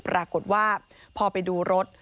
ปรากฏว่าพอไปดูรถ